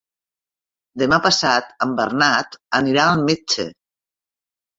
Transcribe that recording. Demà passat en Bernat anirà al metge.